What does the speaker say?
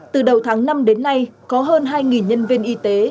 từ đầu tháng năm đến nay có hơn hai nhân viên y tế